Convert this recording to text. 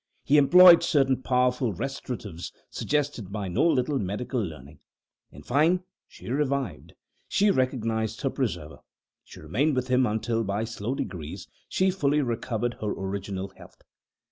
He employed certain powerful restoratives suggested by no little medical learning. In fine, she revived. She recognized her preserver. She remained with him until, by slow degrees, she fully recovered her original health.